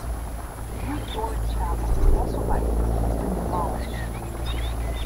The Greek Doric chapel, also by Edge, has been demolished.